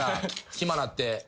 暇なって。